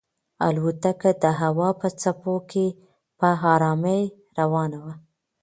الوتکه د هوا په څپو کې په ارامۍ روانه وه.